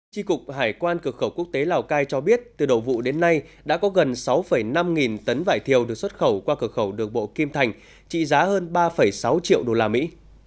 tri cục hải quan cửa khẩu quốc tế lào cai cho biết từ đầu vụ đến nay đã có gần sáu năm nghìn tấn vải thiều được xuất khẩu qua cửa khẩu đường bộ kim thành trị giá hơn ba sáu triệu đô la mỹ